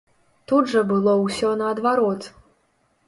Тут жа было ўсё наадварот.